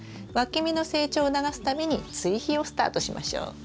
わき芽の成長を促すために追肥をスタートしましょう。